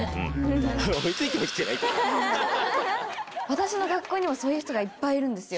私の学校にもそういう人がいっぱいいるんですよ。